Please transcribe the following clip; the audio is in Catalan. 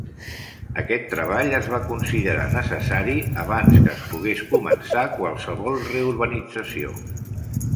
Aquest treball es va considerar necessari abans que es pogués començar qualsevol reurbanització.